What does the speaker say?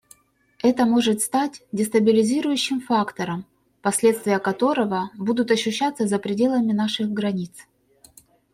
Это может стать дестабилизирующим фактором, последствия которого будут ощущаться за пределами наших границ.